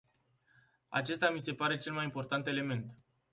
Acesta mi se pare cel mai important element.